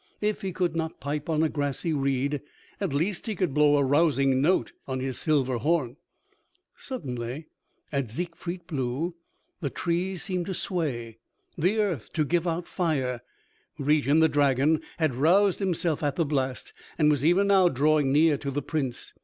If he could not pipe on a grassy reed, at least he could blow a rousing note on his silver horn. Suddenly, as Siegfried blew, the trees seemed to sway, the earth to give out fire. Regin, the dragon, had roused himself at the blast, and was even now drawing near to the Prince.